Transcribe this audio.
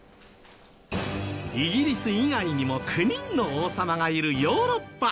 イギリス以外にも９人の王様がいるヨーロッパ。